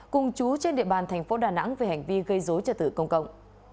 cùng chú trên địa bàn thành phố đà nẵng về hành vi gây dối trợ tử công cộng